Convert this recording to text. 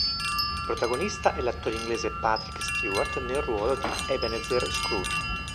Protagonista è l'attore inglese Patrick Stewart nel ruolo di Ebenezer Scrooge.